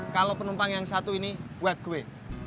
kalau penumpang yang satu ini buat gue